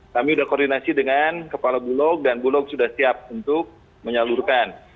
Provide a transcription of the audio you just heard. kami sudah koordinasi dengan kepala bulog dan bulog sudah siap untuk menyalurkan